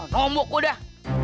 kau nombok udah